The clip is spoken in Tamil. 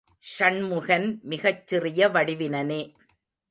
சண்முகன் மிகச் சிறிய வடிவினனே.